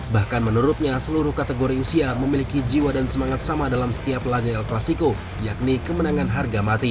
bahkan menurutnya seluruh kategori usia memiliki jiwa dan semangat sama dalam setiap laga el clasico yakni kemenangan harga mati